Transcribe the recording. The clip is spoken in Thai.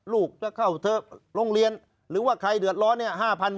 ลูกจะเข้าโรงเรียนหรือว่าใครเดือดร้อนนี่๕๐๐๐๒๐๐๐๐